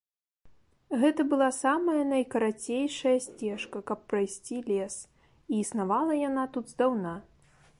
Гэта была самая найкарацейшая сцежка, каб прайсці лес, і існавала яна тут здаўна.